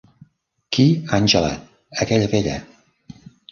Qui, Angela, aquella vella.